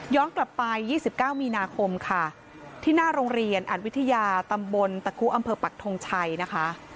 กลับไป๒๙มีนาคมค่ะที่หน้าโรงเรียนอัดวิทยาตำบลตะคุอำเภอปักทงชัยนะคะ